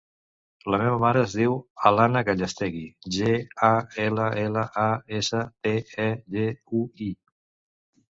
La meva mare es diu Alana Gallastegui: ge, a, ela, ela, a, essa, te, e, ge, u, i.